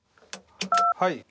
はい。